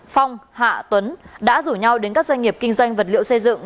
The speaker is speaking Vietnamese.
phong hạ tuấn đã rủ nhau đến các doanh nghiệp kinh doanh vật liệu xây dựng